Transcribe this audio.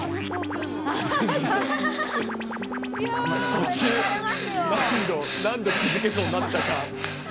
途中、何度くじけそうになったか。